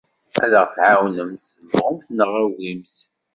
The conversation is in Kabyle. Ad aɣ-tɛawnemt, bɣumt neɣ agimt.